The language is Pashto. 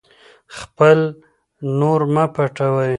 خپل نور مه پټوئ.